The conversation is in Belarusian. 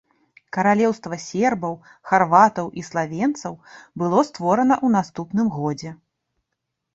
Каралеўства сербаў, харватаў і славенцаў было створана ў наступным годзе.